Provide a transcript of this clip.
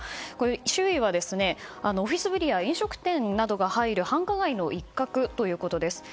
周囲はオフィスビルや飲食店などが入る繁華街の一角ということです。